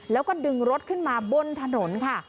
แล้วก็ดึงรถขึ้นมาบนถนนค่ะ